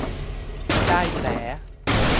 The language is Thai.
ได้แผล